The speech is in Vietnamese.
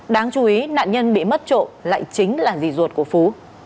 đáng chú ý nạn nhân bị mất trộm lại chính là gì ruột của phú